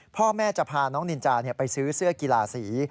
พ่อแม่จะพาน้องนินจาไปซื้อเสื้อกีฬาสี